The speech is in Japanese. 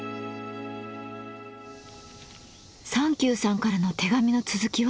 三休さんからの手紙の続きは？